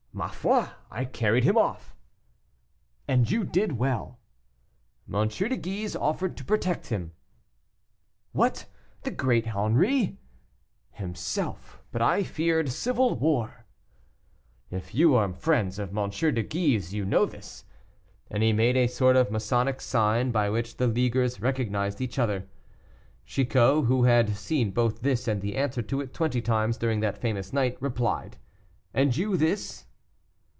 "Ma foi, I carried him off." "And you did well." "M. de Guise offered to protect him." "What! the great Henri?" "Himself; but I feared civil war." "If you are friends of M. de Guise, you know this;" and he made a sort of masonic sign by which the leaguers recognized each other. Chicot, who had seen both this and the answer to it twenty times during that famous night, replied, "And you this?"